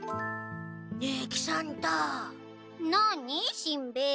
しんべヱ。